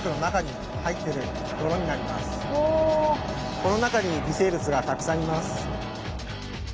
この中に微生物がたくさんいます。